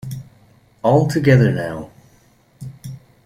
All together now.